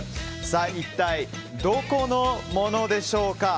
一体，どこのものでしょうか。